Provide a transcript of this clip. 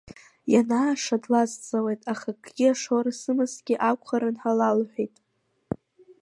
Ианааша длазҵаауеит, аха акагьы, ашора сымазҭгьы акәхарын ҳәа лалҳәеит.